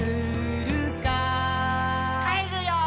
「かえるよー」